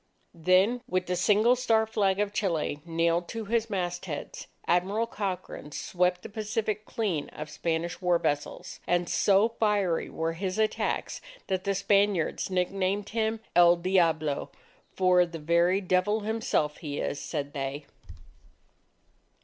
Then, with the single star Flag of Chile nailed to his mastheads, Admiral Cochrane swept the Pacific clean of Spanish war vessels. And so fiery were his attacks, that the Spaniards nicknamed him, "El Diablo." "For the very Devil himself, he is," said they.